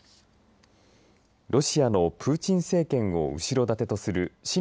ロシアのプーチン政権を後ろ盾とする親